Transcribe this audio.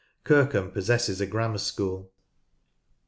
Kirkham possesses a grammar school.